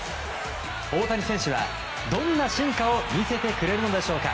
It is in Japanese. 大谷選手はどんな進化を見せてくれるのでしょうか。